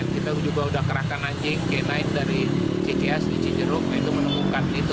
kita juga sudah kerahkan anjing genain dari cts di cicerung itu menemukan itu